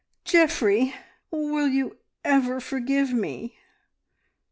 "Geoffrey! Will you ever forgive me?"